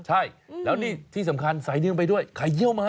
ใช่แล้วนี่ที่สำคัญใส่เนื่องไปด้วยไข่เยี่ยวมา